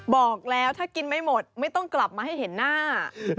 บอกแล้วถ้ากินไม่หมดไม่ต้องกลับมาให้เห็นหน้า